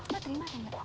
lu terima atau enggak